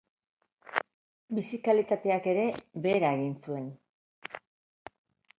Bizi-kalitateak ere behera egin zuen.